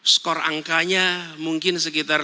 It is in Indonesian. skor angkanya mungkin sekitar lima dan enam